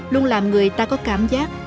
luôn làm người ta có cảm giác